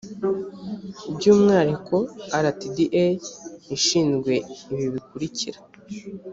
by’umwihariko rtda ishinzwe ibi bikurikira